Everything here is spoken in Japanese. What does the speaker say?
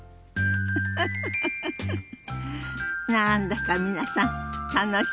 フフフ何だか皆さん楽しそうね。